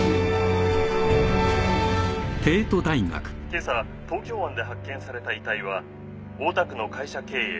けさ東京湾で発見された遺体は大田区の会社経営